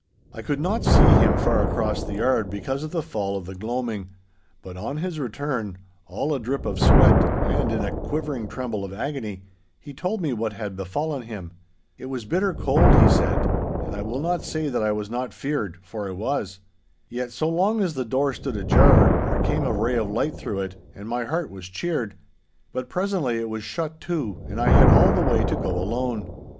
I could not see him far across the yard because of the fall of the gloaming, but on his return, all a drip of sweat and in a quivering tremble of agony, he told me what had befallen him. 'It was bitter cold,' he said, 'and I will not say that I was not feared, for I was. Yet, so long as the door stood ajar, there came a ray of light through it, and my heart was cheered. But presently it was shut to, and I had all the way to go alone.